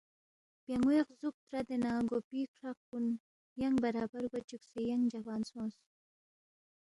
بیان٘وے غزُوک ترادے نہ گوپی کھرَق کُن ینگ برابر گوا چُوکسے ینگ جوان سونگس